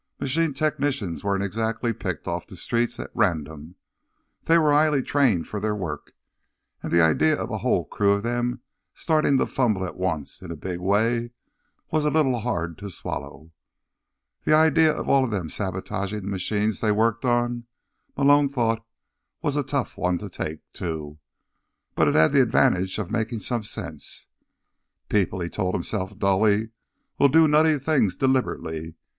Machine technicians weren't exactly picked off the streets at random; they were highly trained for their work, and the idea of a whole crew of them starting to fumble at once, in a big way, was a little hard to swallow. The idea of all of them sabotaging the machines they worked on, Malone thought, was a tough one to take, too. But it had the advantage of making some sense. People, he told himself dully, will do nutty things deliberately.